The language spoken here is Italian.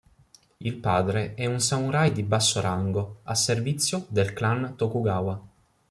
Il padre è un samurai di basso rango a servizio del clan Tokugawa.